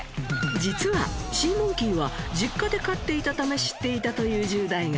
実はシーモンキーは実家で飼っていたため知っていたという１０代が１人。